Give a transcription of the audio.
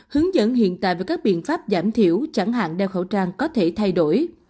hướng dẫn hiện tại với các biện pháp giảm thiểu chẳng hạn đeo khẩu trang có thể thay đổi